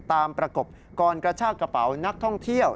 ประกบก่อนกระชากระเป๋านักท่องเที่ยว